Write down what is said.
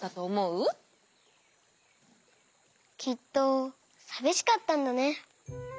きっとさびしかったんだね。